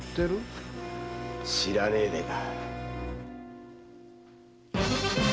知らねえでか！